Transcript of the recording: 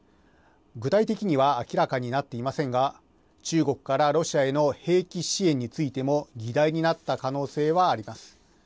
具体的には明らかになっていませんが、中国からロシアへの兵器支援についても議題になった可能性はあります。